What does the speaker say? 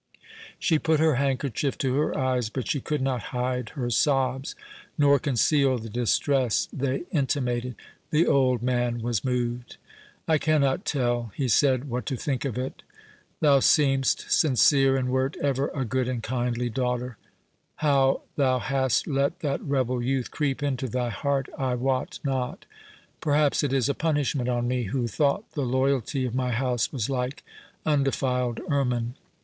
She put her handkerchief to her eyes, but she could not hide her sobs, nor conceal the distress they intimated. The old man was moved. "I cannot tell," he said, "what to think of it. Thou seem'st sincere, and wert ever a good and kindly daughter—how thou hast let that rebel youth creep into thy heart I wot not; perhaps it is a punishment on me, who thought the loyalty of my house was like undefiled ermine.